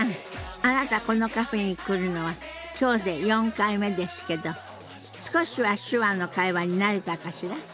あなたこのカフェに来るのは今日で４回目ですけど少しは手話の会話に慣れたかしら？